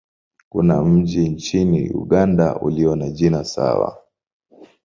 Kuna mji nchini Uganda ulio na jina sawa.